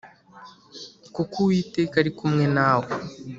kuko Uwiteka ari kumwe nawe.